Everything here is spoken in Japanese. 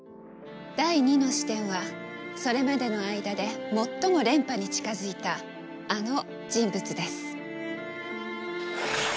第２の視点はそれまでの間で最も連覇に近づいたあの人物です。